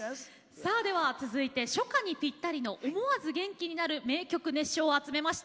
続いては初夏にぴったりの思わず元気になる名曲、熱唱を集めました。